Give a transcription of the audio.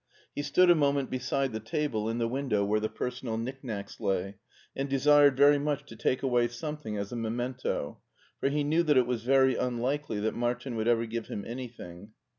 He stood a moment beside the table in the window where the personal knick knacks lay, and desired very much to take away something as a memento, for he knew that it was very unlikely that Martin would ever give him anything.